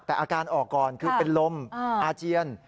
แต่อาการออกก่อนคือเป็นลมอาเจียน